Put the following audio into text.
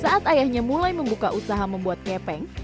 saat ayahnya mulai membuka usaha membuat kepeng